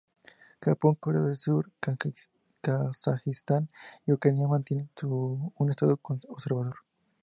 Japón, Corea del Sur, Kazajistán y Ucrania mantienen un estado observador.